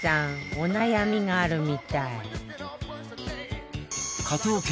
お悩みがあるみたい